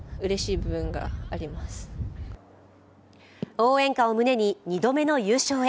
応援歌を胸に、２度目の優勝へ。